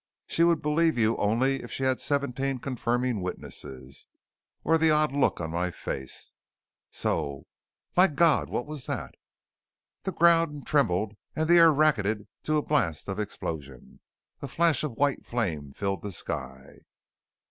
"She would believe you only if she had seventeen confirming witnesses or the odd look on my face. So Migawd! What was that?" The ground trembled and the air racketed to the blast of explosion. A flash of white flame filled the sky.